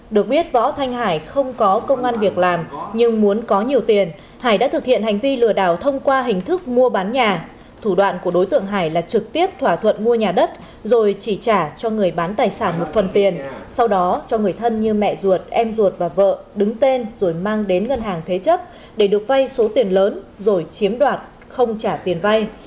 được biết võ thanh hải không có công an việc làm nhưng muốn có nhiều tiền hải đã thực hiện hành vi lừa đảo thông qua hình thức mua bán nhà thủ đoạn của đối tượng hải là trực tiếp thỏa thuận mua nhà đất rồi chỉ trả cho người bán tài sản một phần tiền sau đó cho người thân như mẹ ruột em ruột và vợ đứng tên rồi mang đến ngân hàng thế chấp để được vay số tiền lớn rồi chiếm đoạt không trả tiền vay